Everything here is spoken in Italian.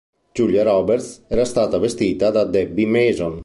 Julia Roberts era stata vestita da Debbie Mason.